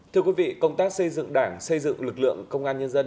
thưa quý vị công tác xây dựng đảng xây dựng lực lượng công an nhân dân